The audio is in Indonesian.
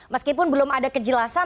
meskipun belum ada kejelasan